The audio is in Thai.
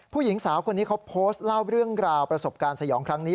ผู้หญิงสาวคนนี้เขาโพสต์เล่าเรื่องราวประสบการณ์สยองครั้งนี้